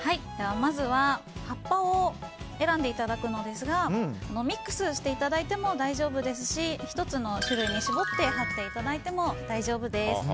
まずは葉っぱを選んでいただきますがミックスしていただいても大丈夫ですし１つの種類に絞って貼っていただいても大丈夫です。